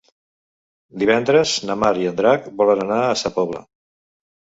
Divendres na Mar i en Drac volen anar a Sa Pobla.